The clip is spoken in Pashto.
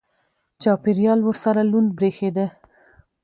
چاپېریال ورسره لوند برېښېده.